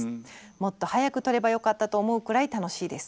もっと早く取ればよかったと思うくらい楽しいです。